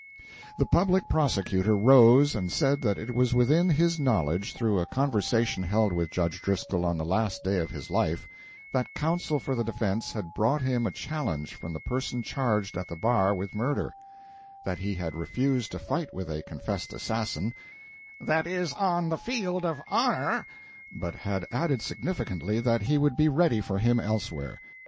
The public prosecutor rose and said that it was within his knowledge, through a conversation held with Judge Driscoll on the last day of his life, that counsel for the defense had brought him a challenge from the person charged at this bar with murder; that he had refused to fight with a confessed assassin "that is, on the field of honor," but had added significantly, that he would be ready for him elsewhere.